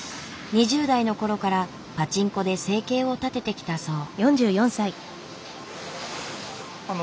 ２０代の頃からパチンコで生計を立ててきたそう。